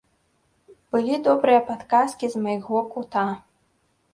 Былі добрыя падказкі з майго кута.